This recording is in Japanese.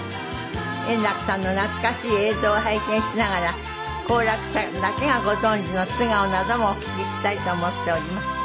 円楽さんの懐かしい映像を拝見しながら好楽さんだけがご存じの素顔などもお聞きしたいと思っております。